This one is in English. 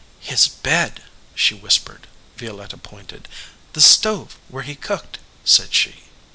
"His bed/ she whispered. Violetta pointed. "The stove where he cooked," said she.